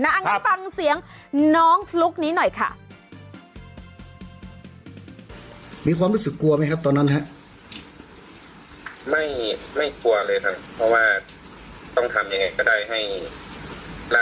งั้นฟังเสียงน้องฟลุ๊กนี้หน่อยค่ะ